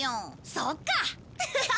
そっか。